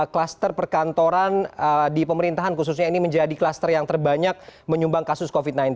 kluster perkantoran di pemerintahan khususnya ini menjadi kluster yang terbanyak menyumbang kasus covid sembilan belas